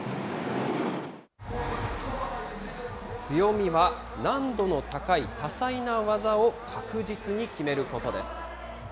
強みは、難度の高い多彩な技を確実に決めることです。